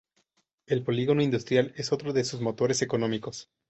El Polígono industrial es otro de sus motores económicos.